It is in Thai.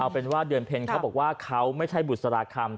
เป็นว่าเดือนเพ็ญเขาบอกว่าเขาไม่ใช่บุษราคำ